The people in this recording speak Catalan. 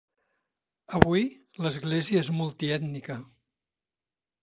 Avui, l'església és multiètnica.